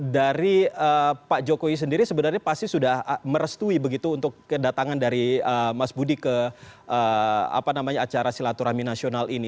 dari pak jokowi sendiri sebenarnya pasti sudah merestui begitu untuk kedatangan dari mas budi ke acara silaturahmi nasional ini